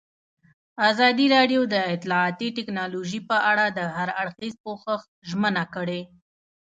ازادي راډیو د اطلاعاتی تکنالوژي په اړه د هر اړخیز پوښښ ژمنه کړې.